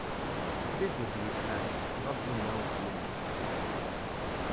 This disease has not been known to be life-threatening.